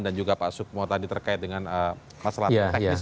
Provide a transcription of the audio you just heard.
dan juga pak suk mo tadi terkait dengan masalah teknis